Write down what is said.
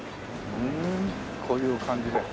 こういう感じで。